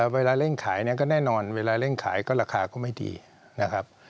เวลาเร่งขายเนี่ยก็แน่นอนเวลาเร่งขายก็ราคาก็ไม่ดีนะครับ